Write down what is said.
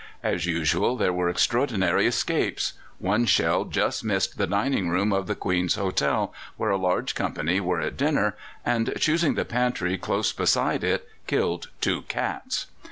As usual, there were extraordinary escapes. One shell just missed the dining room of the Queen's Hotel, where a large company were at dinner, and, choosing the pantry close beside it, killed two cats.